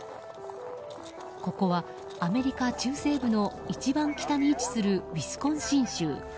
ここはアメリカ中西部の一番北に位置するウィスコンシン州。